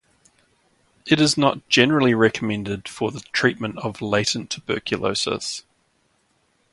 It is not generally recommended for the treatment of latent tuberculosis.